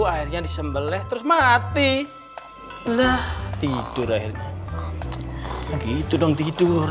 airnya disembeleh terus mati lah tidur akhirnya gitu dong tidur